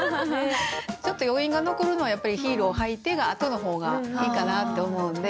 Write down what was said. ちょっと余韻が残るのはやっぱり「ヒールをはいて」が後の方がいいかなって思うんで。